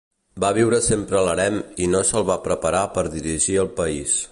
Va viure sempre a l'harem i no se'l va preparar per dirigir al país.